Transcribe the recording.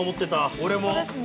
俺も。